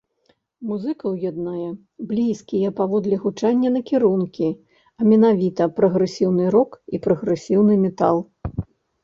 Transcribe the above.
Музыкаў яднае блізкія паводле гучання накірункі, а менавіта прагрэсіўны рок і прагрэсіўны метал.